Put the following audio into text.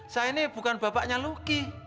saya ini bukan bapaknya luki